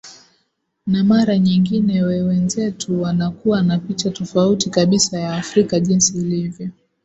na mara nyingine we wenzetu wanakuwa na picha tofauti kabisa ya afrika jinsi ilivyo